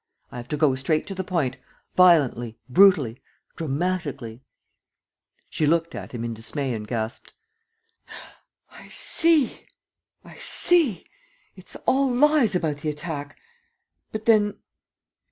I have to go straight to the point, violently, brutally, dramatically. ..." She looked at him in dismay and gasped: "I see ... I see ... it's all lies about the attack. ... But then